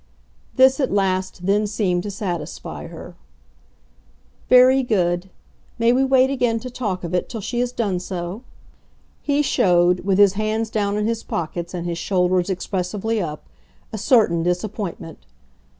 This at last then seemed to satisfy her. "Very good. May we wait again to talk of it till she has done so?" He showed, with his hands down in his pockets and his shoulders expressively up, a certain disappointment.